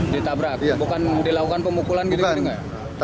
ditabrak bukan dilakukan pemukulan gitu mendingan